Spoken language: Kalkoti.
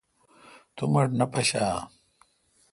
تو مہ ٹھ نہ پشہ اہ؟